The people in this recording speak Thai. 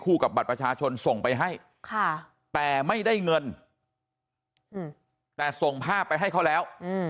กับบัตรประชาชนส่งไปให้แต่ไม่ได้เงินแต่ส่งภาพไปให้เขาแล้ว